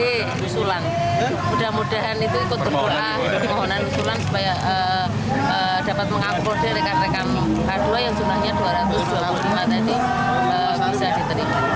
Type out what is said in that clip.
mudah mudahan itu ikut berdoa permohonan sulang supaya dapat mengakurkan rekan rekan k dua yang sulahnya dua ratus dua puluh lima tadi bisa diterima